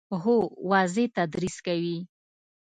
هو، واضح تدریس کوي